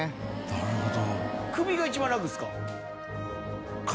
なるほど。